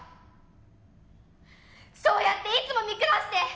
そうやっていつも見下して。